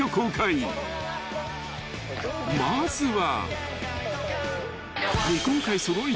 ［まずは］